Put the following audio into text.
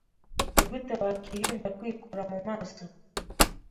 Ni gute wakwirinda kwikora mu maso